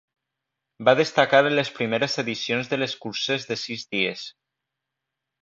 Va destacar en les primeres edicions de les curses de sis dies.